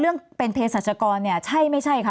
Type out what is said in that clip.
เรื่องเป็นเพศศัชกรก็ใช่ไหมคะ